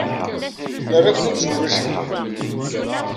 Nerra-ken amzun ulac-iken.